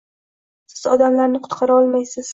Siz odamlarni qutqara olmaysiz.